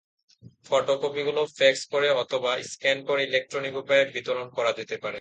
ফটোকপিগুলো fax করে অথবা scan করে ইলেকট্রনিক উপায়ে বিতরণ করা যেতে পারে।